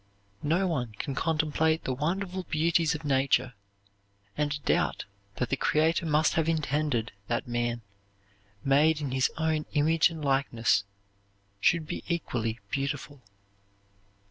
No one can contemplate the wonderful beauties of Nature and doubt that the Creator must have intended that man, made in His own image and likeness, should be equally beautiful.